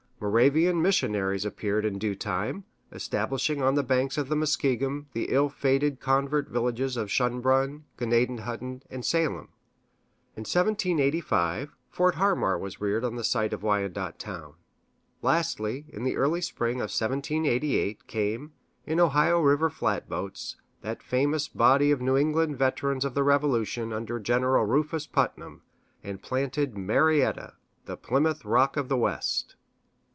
Moravian missionaries appeared in due time, establishing on the banks of the Muskingum the ill fated convert villages of Schönbrunn, Gnadenhütten, and Salem. In 1785, Fort Harmar was reared on the site of Wyandot Town. Lastly, in the early spring of 1788, came, in Ohio river flatboats, that famous body of New England veterans of the Revolution, under Gen. Rufus Putnam, and planted Marietta "the Plymouth Rock of the West."